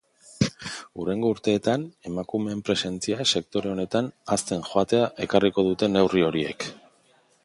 Hurrengo urteetan emakumeen presentzia sektore honetan hazten joatea ekarriko dute neurri horiek.